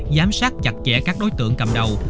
giám sát chặt chẽ các đối tượng cầm đầu